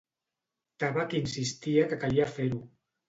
Tabac insistia que calia fer-ho.